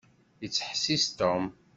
Yettḥessis Tom.